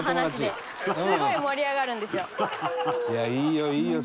いやいいよいいよ